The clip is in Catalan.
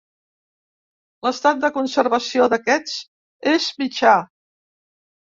L'estat de conservació d'aquests és mitjà.